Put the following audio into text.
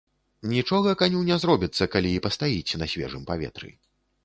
Нічога каню не зробіцца, калі і пастаіць на свежым паветры.